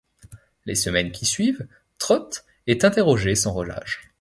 Les semaines qui suivent, Trott est interrogé sans relâche.